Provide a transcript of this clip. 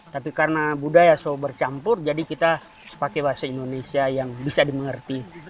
tapi karena budaya so bercampur jadi kita pakai bahasa indonesia yang bisa dimengerti